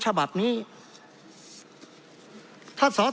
เพราะเรามี๕ชั่วโมงครับท่านนึง